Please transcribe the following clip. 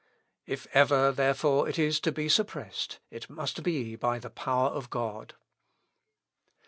If ever, therefore, it is to be suppressed, it must be by the power of God.